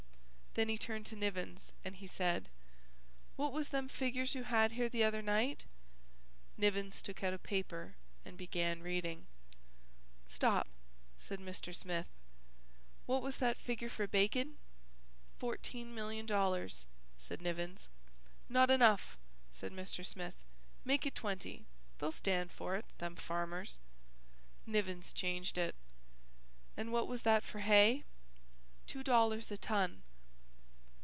Then he turned to Nivens and he said: "What was them figures you had here the other night?" Nivens took out a paper and began reading. "Stop," said Mr. Smith, "what was that figure for bacon?" "Fourteen million dollars," said Nivens. "Not enough," said Mr. Smith, "make it twenty. They'll stand for it, them farmers." Nivens changed it. "And what was that for hay?" "Two dollars a ton."